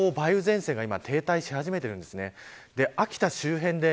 再び梅雨前線が停滞し始めているんですね。